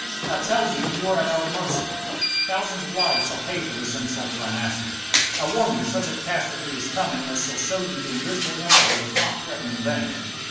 I tell you you are at our mercy. Thousands of lives shall pay for this insult to my master. I warn you, such a catastrophe is coming as shall show you the Invisible Emperor does not threaten in vain!"